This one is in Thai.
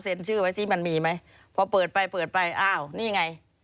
เซ็นชื่อไว้สิมันมีมั้ยพอเปิดไปอ้าวนี่ไง